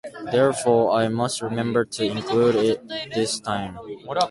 Therefore, I must remember to include it this time.